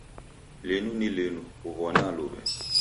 Linu ni linu uw'ona luw'e.